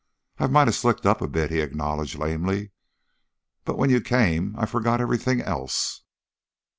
"I might have slicked up a bit," he acknowledged, lamely; "but when you came, I forgot everything else."